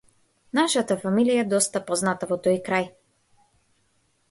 Нашата фамилија е доста позната во тој крај.